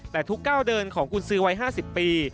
แต่ทุกก้าวเดินของกุญสือวัย๕๐ปี